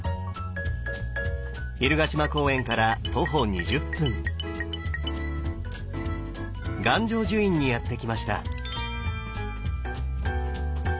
蛭ヶ島公園から徒歩２０分願成就院にやって来ました。